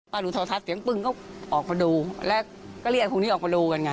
หนูโทรทัศน์เสียงปึ้งก็ออกมาดูแล้วก็เรียกพวกนี้ออกมาดูกันไง